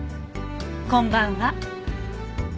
こんばんは。